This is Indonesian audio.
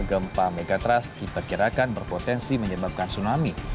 gempa megatras kita kirakan berpotensi menyebabkan tsunami